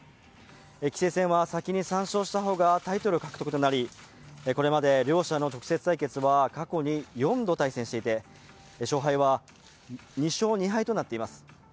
棋聖戦は先に、３勝した方がタイトル獲得となりこれまで両者の直接対決は、過去に４度対戦していて、勝敗は２勝２敗となっています。